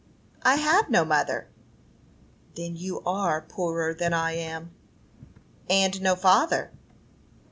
"I have no mother." "Then you are poorer than I am." "And no father."